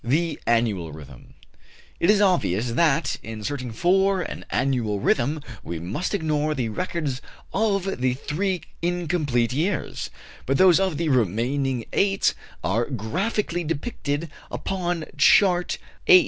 THE ANNUAL RHYTHM. It is obvious that, in searching for an annual rhythm, we must ignore the records of the three incomplete years; but those of the remaining eight are graphically depicted upon Chart 8.